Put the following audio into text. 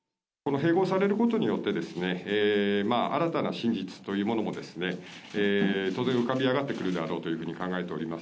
併合されることによって新たな真実というものも当然、浮かび上がってくるであろうと考えております。